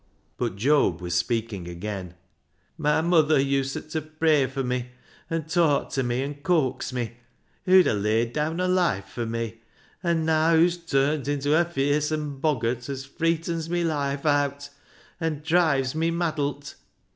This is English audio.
But Job was speaking again. " My muther uset pray fur me, an' talk ta me, an' coax me — hoo'd a laid daan her loife for me, an' naa hoo's turnt inta a fearsome boggart as frcetens me loife aat, an' drives me maddlet.